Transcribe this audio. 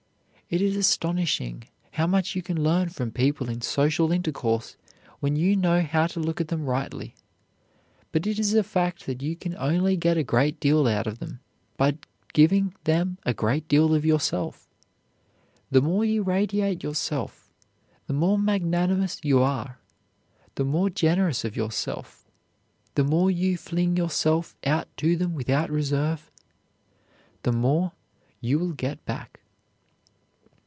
It is astonishing how much you can learn from people in social intercourse when you know how to look at them rightly. But it is a fact that you can only get a great deal out of them by giving them a great deal of yourself. The more you radiate yourself, the more magnanimous you are, the more generous of yourself, the more you fling yourself out to them without reserve, the more you will get back.